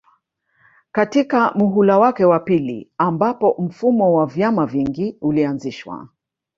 katika muhula wake wa pili ambapo mfumo wa vyama vingi ulianzishwa